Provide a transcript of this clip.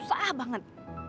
gue jadi susah banget